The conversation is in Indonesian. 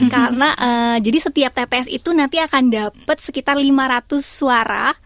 karena jadi setiap tps itu nanti akan dapat sekitar lima ratus suara